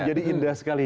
jadi indah sekali